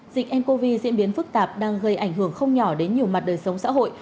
dịch ncov diễn biến phức tạp đang gây ảnh hưởng không nhỏ đến nhiều mặt đời sống xã hội